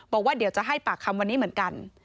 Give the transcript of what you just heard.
บอกว่าเดี๋ยวจะให้ปากคำวันนี้เหมือนกัน